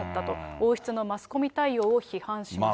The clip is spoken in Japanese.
王室のマスコミ対応を批判しました。